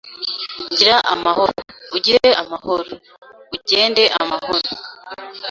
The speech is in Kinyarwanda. gira amahoro, ugire amahoro, ugende amahoro;